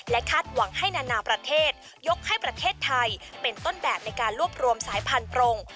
คาดหวังให้นานาประเทศยกให้ประเทศไทยเป็นต้นแบบในการรวบรวมสายพันธรง